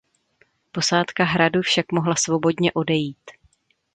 Posádka hradu však mohla svobodně odejít.